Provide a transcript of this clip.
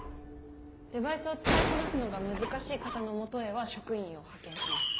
デバイスを使いこなすのが難しい方のもとへは職員を派遣します。